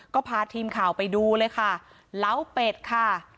ก็พาทีมข่าวไปดูเลยค่ะเล้าเป็ดค่ะ